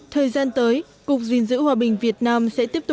thời gian tới cục diên dữ hòa bình việt nam sẽ tiếp tục